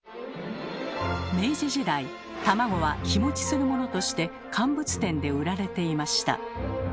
明治時代卵は日持ちするものとして乾物店で売られていました。